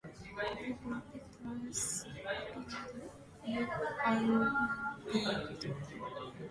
The protestors appeared unveiled.